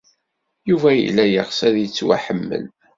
Yuba yella yeɣs ad yettwaḥemmel.